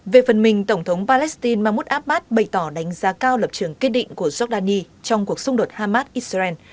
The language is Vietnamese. về phần mình tổng thống palestine mahmod abbas bày tỏ đánh giá cao lập trường kết định của giordani trong cuộc xung đột hamas israel